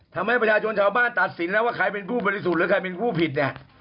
ทำให้ประชาชนชาวบ้านตัดสินแล้วว่าใครเป็นผู้บริสุทธิ์หรือใครเป็นผู้ผิดเนี่ย